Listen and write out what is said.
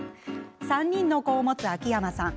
３人の子を持つ秋山さん